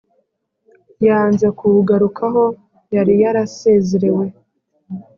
Yanze kuwugarukaho yari yarasezerewe